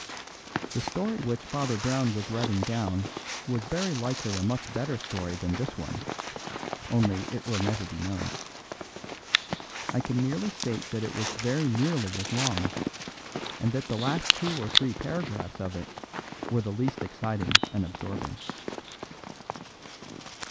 The story which Father Brown was writing down was very likely a much better story than this one, only it will never be known. I can merely state that it was very nearly as long, and that the last two or three paragraphs of it were the least exciting and absorbing.